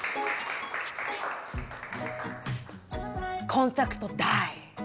コンタクトダイ。